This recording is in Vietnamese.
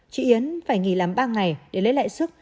chị yến phải nghỉ làm ba ngày để lấy lại sức